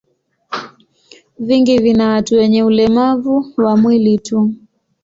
Vingi vina watu wenye ulemavu wa mwili tu.